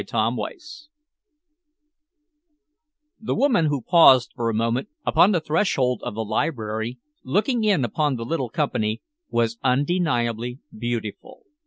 CHAPTER II The woman who paused for a moment upon the threshold of the library, looking in upon the little company, was undeniably beautiful.